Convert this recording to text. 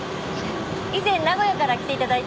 以前名古屋から来て頂いた